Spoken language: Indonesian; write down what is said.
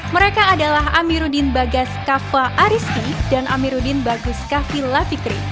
mereka adalah amiruddin bagas kafa ariski dan amiruddin bagus kavi lafikri